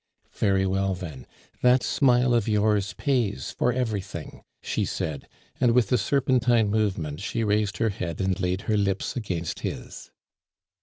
"Very well, then, that smile of yours pays for everything," she said, and with a serpentine movement she raised her head and laid her lips against his.